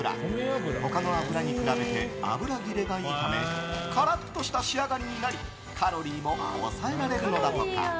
他の油に比べて油切れがいいためカラッとした仕上がりになりカロリーも抑えられるのだとか。